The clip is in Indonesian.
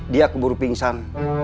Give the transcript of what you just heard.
dia keburu pingsan